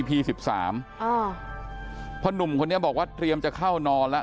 เพราะหนุ่มคนนี้บอกว่าเตรียมจะเข้านอนแล้ว